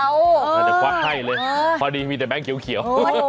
อันนี้อยากดบองเธอเลยพอดีมีแต่แบงค์เขียว